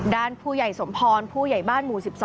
ด้านผู้ใหญ่สมพรผู้ใหญ่บ้านหมู่๑๒